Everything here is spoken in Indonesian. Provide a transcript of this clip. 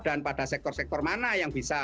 dan pada sektor sektor mana yang bisa